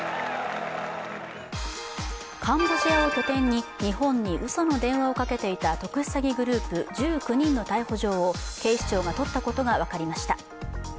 カンボジアを拠点に日本にうその電話をかけていた特殊詐欺グループ１９人の逮捕状を警視庁が取ったことが分かりました。